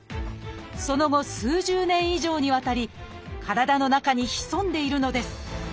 その後数十年以上にわたり体の中に潜んでいるのです